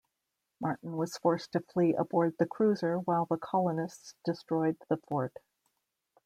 Martin was forced to flee aboard the "Cruiser" while the colonists destroyed the fort.